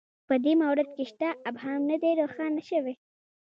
په دې مورد کې شته ابهام نه دی روښانه شوی